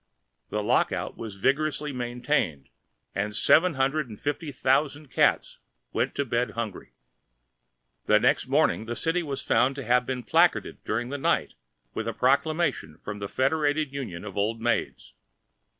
The lock out was vigorously maintained, and seven hundred and fifty thousand cats went to bed hungry! The next morning the city was found to have been placarded during the night with a proclamation of the Federated Union of Old Maids.